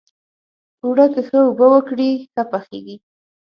اوړه که ښه اوبه ورکړې، ښه پخیږي